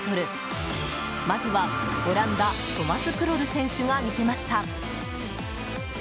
まずは、オランダトマス・クロル選手が見せました。